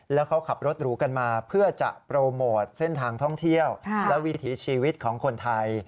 แล้วเขาขับรถหรูกันมาเพื่อจะโปรโมทเส้นทางท่องเที่ยวและวิถีชีวิตของคนไทย